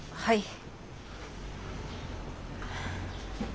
はい。